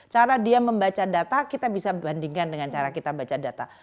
cara dia membaca data kita bisa bandingkan dengan cara kita baca data